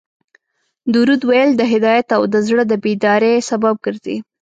درود ویل د هدایت او د زړه د بیداري سبب ګرځي